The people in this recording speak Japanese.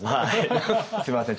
すみません